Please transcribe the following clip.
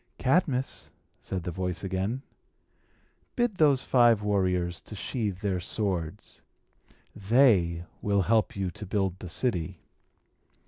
"Cadmus," said the voice again, "bid those five warriors to sheathe their swords. They will help you to build the city."